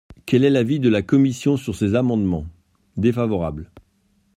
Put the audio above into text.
Quel est l’avis de la commission sur ces amendements ? Défavorable.